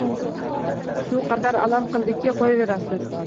Shu qadar alam qildiki, qo‘yaverasiz.